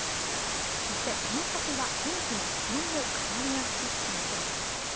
そしてこの先は天気も気温も変わりやすくなりそうです。